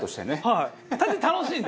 はい。